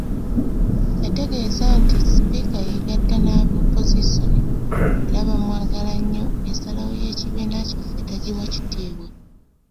Yategeeza nti, “Sipiika yeegatta n'aba Opozisoni era bamwagala nnyo, ensalawo y’ekibiina kyaffe tagiwa kitiibwa”